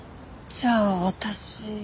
じゃあ私。